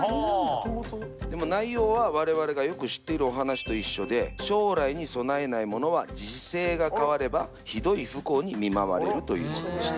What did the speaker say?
でも内容は我々がよく知っているお話と一緒で「将来に備えない者は時勢が変わればひどい不幸に見舞われる」というものでした。